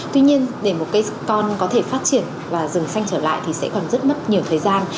tuy nhiên để một cây con có thể phát triển và rừng xanh trở lại thì sẽ còn rất mất nhiều thời gian